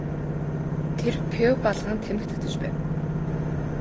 Тэр пиво балган тамхи татаж байв.